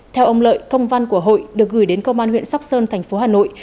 theo ông lợi công văn của hội được gửi đến công an huyện sóc sơn tp hà nội